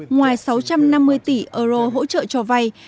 ngoài sáu trăm năm mươi tỷ euro hỗ trợ cho vay